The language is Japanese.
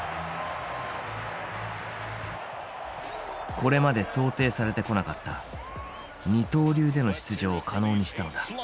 これまで想定されてこなかった二刀流での出場を可能にしたのだ。